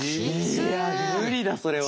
いや無理だそれは。